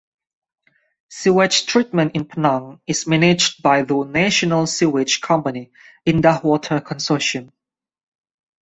Sewage treatment in Penang is managed by the national sewerage company, Indah Water Konsortium.